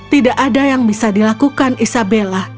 tidak ada yang bisa dilakukan isabella